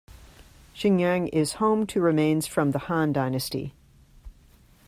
Xingyang is home to remains from the Han dynasty.